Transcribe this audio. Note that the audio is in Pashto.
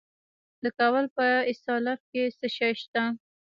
د کابل په استالف کې څه شی شته؟